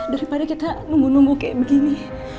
daripada kita nunggu nunggu seperti ini